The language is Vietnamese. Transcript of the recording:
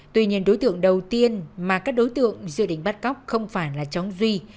tuy nhiên đối tượng đầu tiên mà các đối tượng dự định bắt cóc không phải là chóng duy